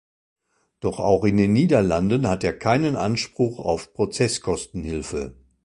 Doch auch in den Niederlanden hat er keinen Anspruch auf Prozesskostenhilfe.